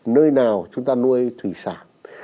nơi nào chúng ta nuôi thủy sản